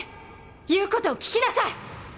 言うことを聞きなさい！